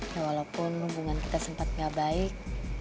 ya walaupun hubungan kita sempat nggak baik